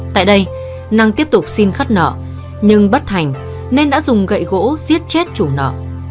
tại đây năng tiếp tục xin khắt nợ nhưng bất hành nên đã dùng gậy gỗ giết chết chủ nợ